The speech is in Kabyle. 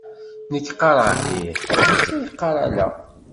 Nekk qqareɣ ih, netta yeqqar ala.